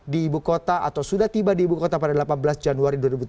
di ibu kota atau sudah tiba di ibu kota pada delapan belas januari dua ribu tujuh belas